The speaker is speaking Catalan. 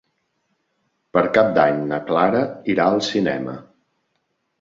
Per Cap d'Any na Clara irà al cinema.